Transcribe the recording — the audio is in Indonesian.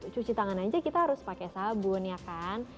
cuci tangan aja kita harus pakai sabun ya kan